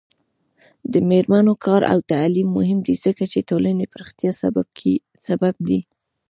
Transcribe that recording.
د میرمنو کار او تعلیم مهم دی ځکه چې ټولنې پراختیا سبب دی.